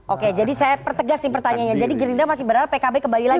oke jadi saya pertegas sih pertanyaannya jadi gerindra masih berharap pkb kembali lagi